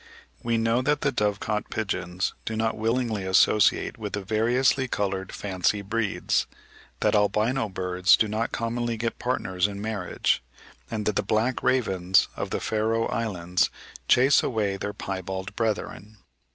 We know that dovecot pigeons do not willingly associate with the variously coloured fancy breeds; that albino birds do not commonly get partners in marriage; and that the black ravens of the Feroe Islands chase away their piebald brethren.